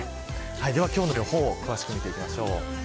では、今日の予報を詳しく見ていきましょう。